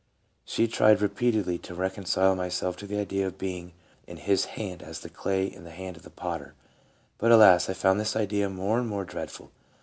She tried repeatedly to " reconcile my self to the idea of being in His hand as the clay in the hand of the potter. But, alas, I found this idea more and more dreadful."